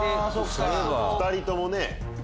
２人ともね。